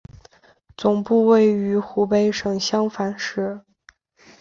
总部位于湖北省襄樊市。